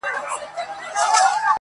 چي عادت وي چا اخیستی په شیدو کي!!